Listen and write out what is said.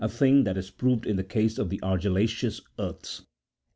447 thing that is proved in the case of the argillaceous earths.